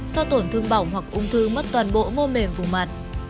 do tổn thương bỏng hoặc ung thư mất toàn bộ mô mềm vùng mặt